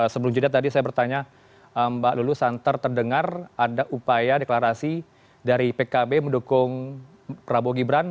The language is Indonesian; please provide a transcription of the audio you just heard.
sebelum jeda tadi saya bertanya mbak lulusan terdengar ada upaya deklarasi dari pkb mendukung prabowo gibran